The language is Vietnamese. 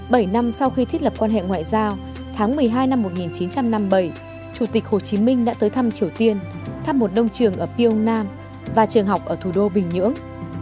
bảy năm sau khi thiết lập quan hệ ngoại giao tháng một mươi hai năm một nghìn chín trăm năm mươi bảy chủ tịch hồ chí minh đã tới thăm triều tiên thăm một đông trường ở pion và trường học ở thủ đô bình nhưỡng